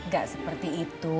gak seperti itu